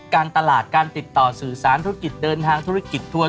การตลาดการติดต่อสื่อสารธุรกิจเดินทางธุรกิจทัวร์